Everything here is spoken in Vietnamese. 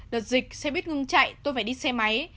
đợt dịch xe buýt ngưng chạy tôi phải đi xe máy